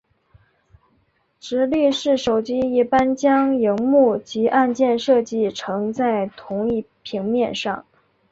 直立式手机一般将萤幕及按键设计成在同一平面上。